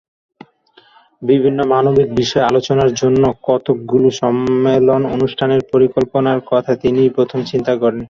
বিভিন্ন মানবিক বিষয় আলোচনার জন্য কতকগুলি সম্মেলন-অনুষ্ঠানের পরিকল্পনার কথা তিনিই প্রথম চিন্তা করেন।